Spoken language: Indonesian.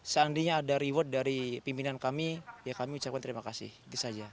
seandainya ada reward dari pimpinan kami ya kami ucapkan terima kasih itu saja